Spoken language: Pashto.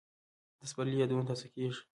د سپرلي یادونه تازه کېږي